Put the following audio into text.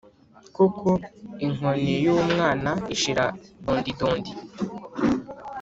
koko inkoni y’umwana ishira dondidondi